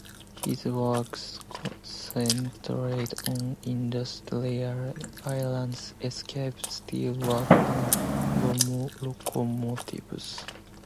His works centered on industrial landscapes, steel works and locomotives.